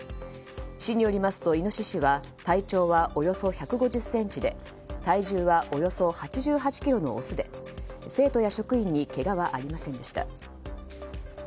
市によりますとイノシシは体長はおよそ１５０ｃｍで体重は、およそ８８ｋｇのオスで生徒や職員にけがはありませんでした。